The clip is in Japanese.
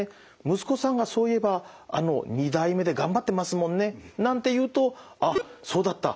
息子さんがそういえば２代目で頑張ってますもんね」なんて言うとあっそうだった。